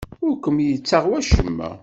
Ur kem-yettaɣ wacemma.